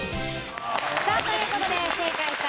さあという事で正解者